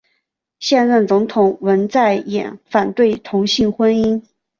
现任总统文在寅反对同性婚姻。